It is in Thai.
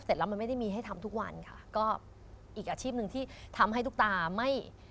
เสร็จแล้วมันไม่ได้มีให้ทำทุกวันค่ะก็อีกอาชีพหนึ่งที่ทำให้ตุ๊กตาไม่